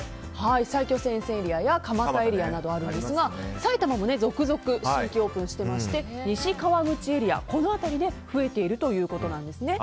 埼京線沿線エリアや蒲田エリアなどあるんですが埼玉も続々と新規オープンしてまして西川口エリアの辺りで増えているということです。